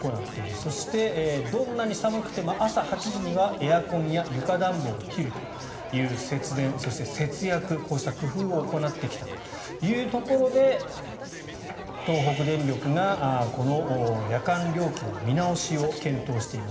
そして、どんなに寒くても朝８時にはエアコンや床暖房を切るという節電そして節約こうした工夫を行ってきたというところで東北電力が、この夜間料金の見直しを検討しています。